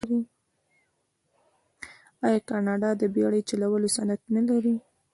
آیا کاناډا د بیړۍ چلولو صنعت نلري؟